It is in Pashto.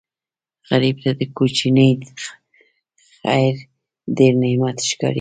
غریب ته کوچنی خیر ډېر نعمت ښکاري